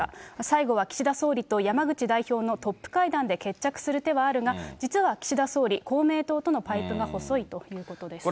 最後は岸田総理と山口代表のトップ会談で決着する手はあるが、実は岸田総理、公明党とのパイプが細いということです。